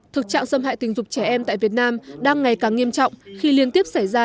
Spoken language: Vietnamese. thực trạng xâm hại tình dục trẻ em tại việt nam đang ngày càng nghiêm trọng khi liên tiếp xảy ra